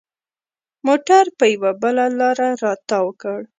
موټر پر یوه بله لاره را تاو کړ.